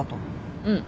うん。